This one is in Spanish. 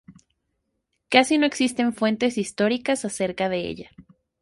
Casi no existen fuentes históricas acerca de ella.